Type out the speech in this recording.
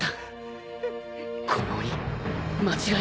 この鬼間違い